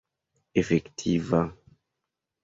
efektiva